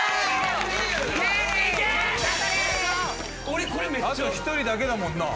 あと１人だけだもんな。